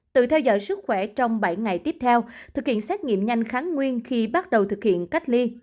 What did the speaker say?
tự theo dõi sức khỏe trong bảy ngày tiếp theo thực hiện xét nghiệm nhanh kháng nguyên khi bắt đầu thực hiện cách ly